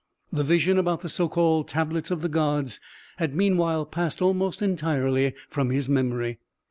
The vision about the so called Tablets of the Gods had meanwhile passed almost entirely from his memory.